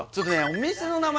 お店の名前